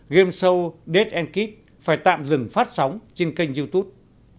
game show dead kicked phải tạm dừng phát sóng trên kênh youtube